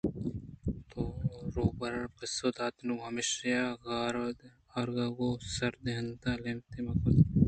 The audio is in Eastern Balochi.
روباہءَپسّہ دات نوں ہپشاہ ءَ غارءِ آرگ گو ک ءِ سری دنتان اِنتبلئے من جہدے کناں